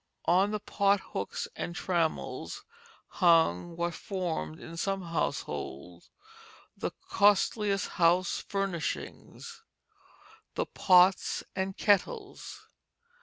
On the pothooks and trammels hung what formed in some households the costliest house furnishing, the pots and kettles.